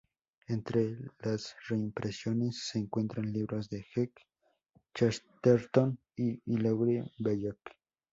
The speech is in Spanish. Entre las reimpresiones se encuentran libros de G. K. Chesterton y Hilaire Belloc.